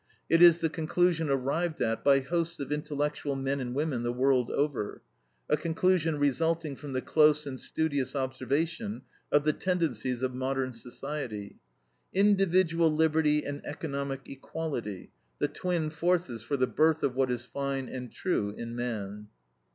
It is the conclusion arrived at by hosts of intellectual men and women the world over; a conclusion resulting from the close and studious observation of the tendencies of modern society: individual liberty and economic equality, the twin forces for the birth of what is fine and true in man.